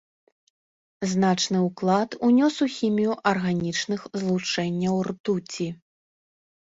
Значны ўклад унёс у хімію арганічных злучэнняў ртуці.